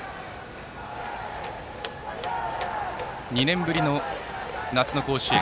２年ぶりの夏の甲子園。